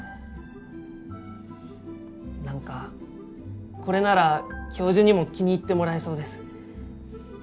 なんかこれなら教授にも気に入ってもらえそうです。